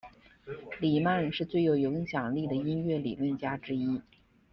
里曼是最有影响力的音乐理论家之一。